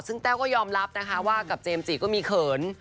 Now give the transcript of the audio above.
ซึ่งแต้วก็ยอมรับนะคะว่ากับเจมส์จิก็มีเขิน